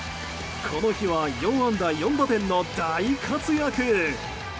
この日は４安打４打点の大活躍。